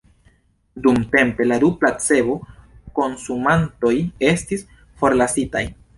Dumtempe la du placebo-konsumantoj estis forlasitaj.